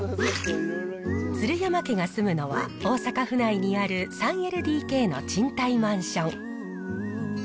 鶴山家が住むのは、大阪府内にある３ＬＤＫの賃貸マンション。